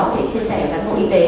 để chia sẻ với cán bộ y tế